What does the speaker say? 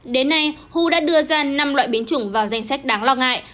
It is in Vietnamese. đến nay hu đã đưa ra năm loại biến chủng vào danh sách đáng lo ngại